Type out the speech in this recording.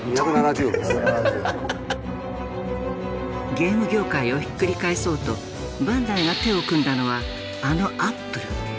ゲーム業界をひっくり返そうとバンダイが手を組んだのはあのアップル。